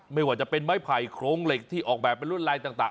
ไม่ว่าจะเป็นไม้ไผ่โครงเหล็กที่ออกแบบเป็นรวดลายต่าง